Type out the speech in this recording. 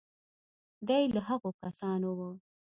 دی له هغو کسانو و.